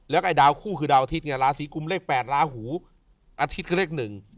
แล้วก็ดาวคู่คู่ดาวอาทิตย์ลาศรีกุมเลข๘แล้วหูอาทิตย์เลข๑